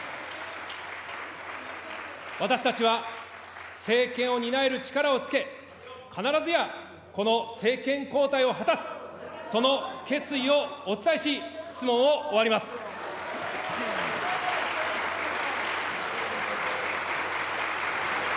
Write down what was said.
私たちは政権を担える力をつけ、必ずやこの政権交代を果たす、その決意をお伝えし、質問を終わります。